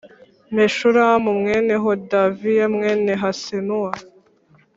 Meshulamu mwene Hodaviya mwene Hasenuwa